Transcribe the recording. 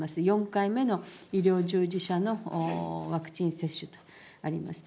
４回目の医療従事者のワクチン接種とあります。